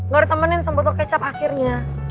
gak ditemenin sama botol kecap akhirnya